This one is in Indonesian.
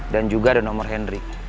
dan juga ada nomor henry